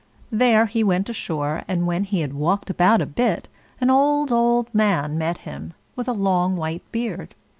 There he went ashore, and when he had walked about a bit, an old, old man met him, with a long white beard.